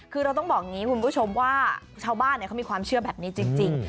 คือเราต้องบอกอย่างนี้คุณผู้ชมว่าชาวบ้านเขามีความเชื่อแบบนี้จริง